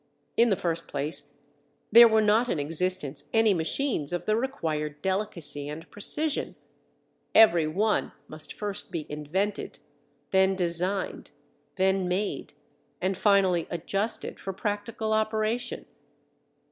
In the first place, there were not in existence any machines of the required delicacy and precision; every one must first be invented, then designed, then made, and finally adjusted for practical operation.